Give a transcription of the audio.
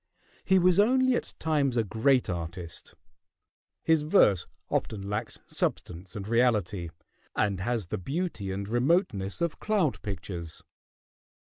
He was only at times a great artist: his verse often lacks substance and reality, and has the beauty and remoteness of cloud pictures.